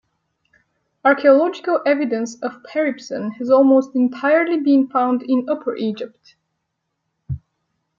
Archaeological evidence of Peribsen has almost entirely been found in Upper Egypt.